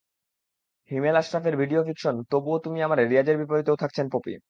হিমেল আশরাফের video fiction তবুও তুমি আমার-এ রিয়াজের বিপরীতেও থাকছেন পপি।